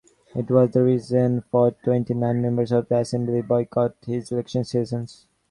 It was the reason for twenty-nine members of the Assembly boycotted his election session.